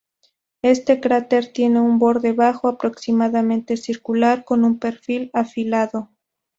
Este cráter tiene un borde bajo, aproximadamente circular, con un perfil afilado.